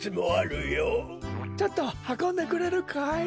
ちょっとはこんでくれるかい？